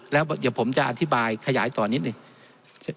แล้วเดี๋ยวผมจะอธิบายขยายต่อนิดหนึ่ง